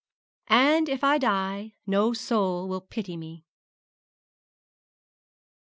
'AND, IF I DIE, NO SOUL WILL PITY ME.'